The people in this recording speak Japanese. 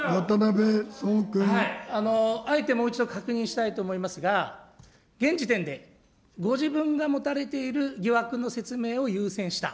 あえてもう一度確認したいと思いますが、現時点で、ご自分が持たれている疑惑の説明を優先した。